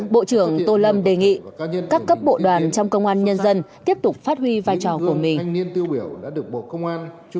bộ trưởng tô lâm đề nghị các cấp bộ đoàn trong công an nhân dân tiếp tục phát huy vai trò của mình